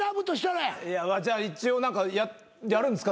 じゃあ一応何かやるんですか？